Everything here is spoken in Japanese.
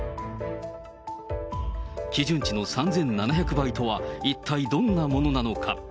基準値の３７００倍とは一体どんなものなのか。